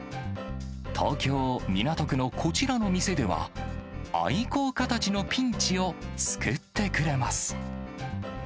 東京・港区のこちらの店では、愛好家たちのピンチを救ってくれます。